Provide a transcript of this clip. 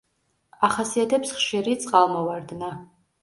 ახასიათებს ხშირი წყალმოვარდნა.